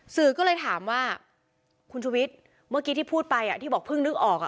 สื่อก็เลยถามว่าคุณชุวิตเมื่อกี้ที่พูดไปที่บอกเพิ่งนึกออก